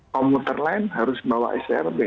komuter lain harus membawa strp